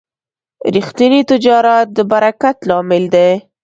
ریښتینی تجارت د برکت لامل دی.